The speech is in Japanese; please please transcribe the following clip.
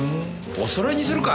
お揃いにするか？